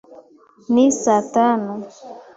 Ni saa tanu.